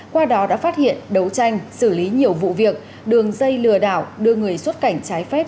qua đó đã phát hiện đấu tranh xử lý nhiều vụ việc đường dây lừa đảo đưa người xuất cảnh trái phép